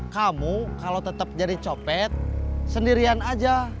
kamu kalau tetap jadi copet sendirian aja